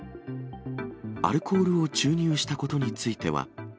アルコールを注入したことについては。